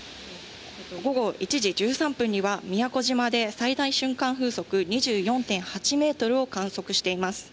午後１時１３分には、宮古島で最大瞬間風速２４．８メートルを観測しています。